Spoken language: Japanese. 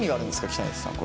北西さん